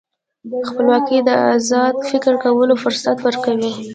خپلواکي د ازاد فکر کولو فرصت ورکوي.